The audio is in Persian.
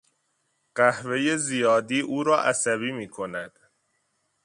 قهوهی زیاد او را عصبی میکند.